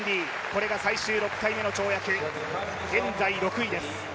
これが最終６回目の跳躍、現在６位です。